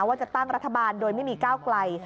ว่าจะตั้งรัฐบาลโดยไม่มีก้าวไกล